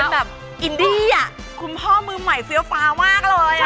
แบบอินดี้คุณพ่อมือใหม่เฟี้ยวฟ้ามากเลย